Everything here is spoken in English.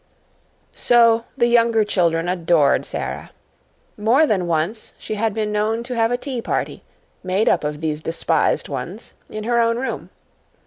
So the younger children adored Sara. More than once she had been known to have a tea party, made up of these despised ones, in her own room.